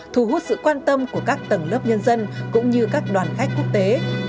thu hút sự quan tâm của các tầng lớp nhân dân cũng như các đoàn khách quốc tế